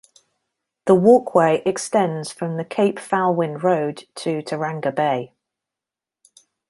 The walkway extends from the Cape Foulwind Road to Tauranga Bay.